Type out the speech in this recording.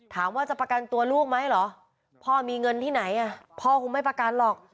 ถามว่าจะประกันตัวลูกไหมเหรอพ่อมีเงินที่ไหนพ่อคงไม่ประกันหรอก